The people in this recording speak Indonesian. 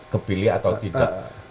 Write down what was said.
kepilih atau tidak